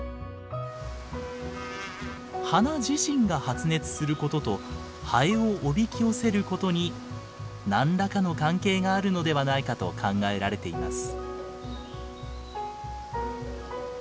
花自身が発熱することとハエをおびき寄せることに何らかの関係があるのではないかと考えられています。